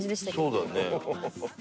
そうだよね。